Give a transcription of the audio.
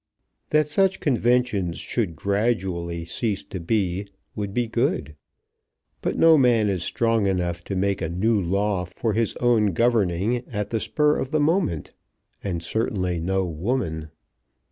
That such conventions should gradually cease to be, would be good; but no man is strong enough to make a new law for his own governing at the spur of the moment; and certainly no woman.